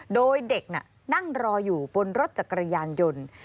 โดยเด็กนั่งรออยู่บนรถจักรยานยนต์